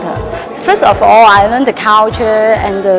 pertama saya mengajari kultur